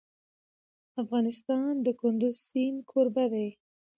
افغانستان د کندز سیند کوربه دی.